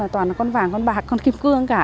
toàn là con vàng con bạc con kim cương cả